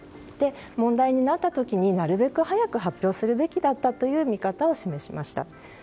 問題になった時になるべく早く発表するべきだったという見方を示しました。